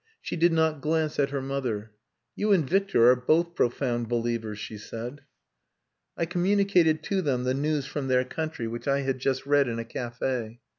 She did not glance at her mother. "You and Victor are both profound believers," she said. I communicated to them the news from their country which I had just read in a cafe.